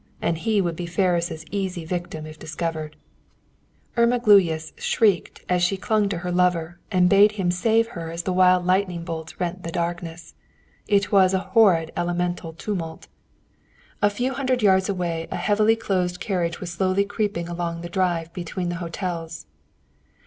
And he would be Ferris' easy victim if discovered. Irma Gluyas shrieked as she clung to her lover and bade him save her as the wild lightning bolts rent the darkness. It was a horrid elemental tumult! A few hundred yards away a heavy closed carriage was slowly creeping along the drive between the hotels.